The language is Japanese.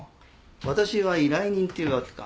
私は依頼人っていうわけか。